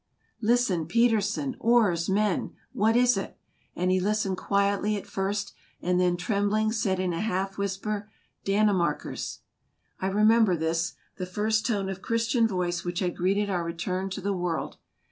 "Listen, Petersen ! Oars, men !"" What is it ?" and he listened quietly at first, and then, trembling, said in a half whisper, " Dannemarkers !" I remember this, the first tone of Christian voice which had greeted our return to the world.